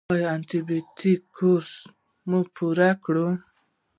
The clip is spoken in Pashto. ایا د انټي بیوټیک کورس مو پوره کړی؟